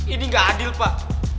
ini gak adil pak